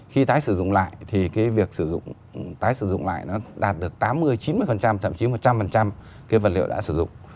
khi tái sử dụng lại thì cái việc sử dụng tái sử dụng lại nó đạt được tám mươi chín mươi thậm chí một trăm linh cái vật liệu đã sử dụng